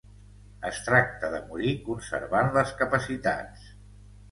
Es tracta de morir conservant les capacitats.